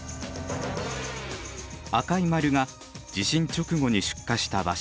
赤い丸が地震直後に出火した場所。